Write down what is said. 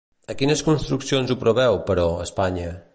A quines construccions ho preveu, però, Espanya?